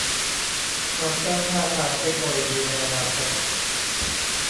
ความก้าวหน้าทางเทคโนโลยีในอนาคต